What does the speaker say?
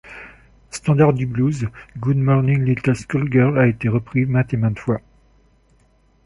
Standard du blues, Good Morning Little Schoolgirl a été repris maintes et maintes fois.